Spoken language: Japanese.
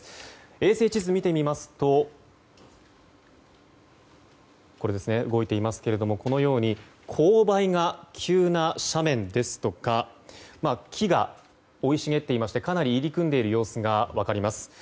衛星地図を見てみますとこのように勾配が急な斜面ですとか木が生い茂っていましてかなり入り組んでいる様子が分かります。